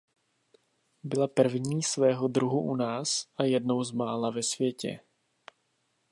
Byla první svého druhu u nás a jednou z mála ve světě.